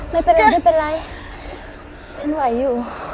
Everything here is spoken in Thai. ไม่เป็นไรฉันไหวอยู่